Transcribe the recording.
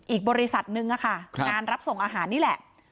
อีกบริษัทนึงค่ะงานรับส่งอาหารนี่แหละ